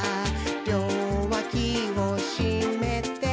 「りょうわきをしめて、」